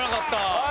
はい。